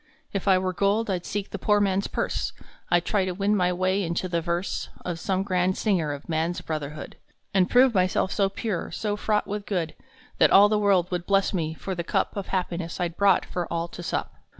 If I were gold, I d seek the poor man s purse. I d try to win my way into the verse Of some grand singer of Man s Brotherhood, And prove myself so pure, so fraught with good, That all the world would bless me for the cup Of happiness I d brought for all to sup.